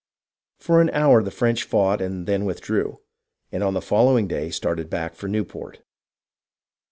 For an hour the French fought and then withdrew, and on the following day started back for Newport